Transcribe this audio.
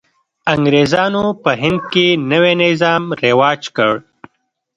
انګرېزانو په هند کې نوی نظام رواج کړ.